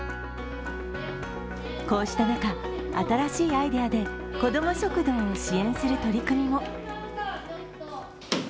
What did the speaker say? こうした中、新しいアイデアで子ども食堂を支援する取り組みも。